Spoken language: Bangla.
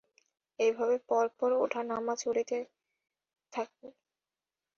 এইভাবে পর পর ওঠা-নামা চলিতে থাকে।